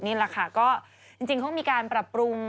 นี่แหละค่ะก็จริงเขามีการปรับปรุง